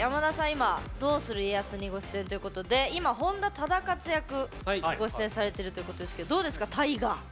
今「どうする家康」にご出演ということで今本多忠勝役ご出演されているということですけどどうですか大河。